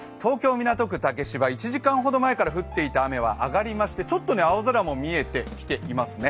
港区竹芝、１時間ほど前から降っていた雨、やみましてちょっと青空も見えてきていますね。